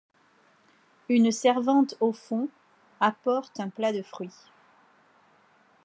Une servante au fond apporte un plat de fruits.